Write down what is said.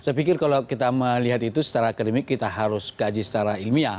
saya pikir kalau kita melihat itu secara akademik kita harus kaji secara ilmiah